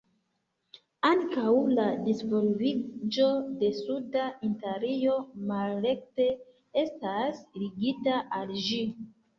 Ankaŭ la disvolviĝo de suda Italio malrekte estas ligita al ĝi.